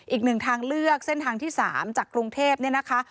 อีกหนึ่งทางเลือกเส้นทางที่๓จากกรุงเทพเนี่ยนะคะ